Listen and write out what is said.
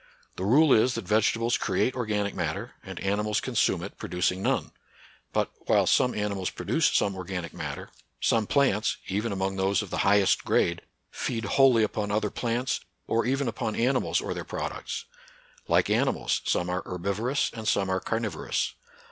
The rule is, that vegetables create organic matter, and animals consume it, producing none. But, while some animals produce some organic matter, some plants even among those of the highest grade feed wholly upon other plants, or even upon animals or their products. Like animals, some are herbivorous and some are carnivorous.